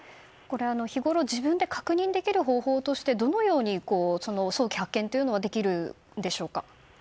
日ごろ自分で確認できる方法としてどのように早期発見はできるのでしょうか。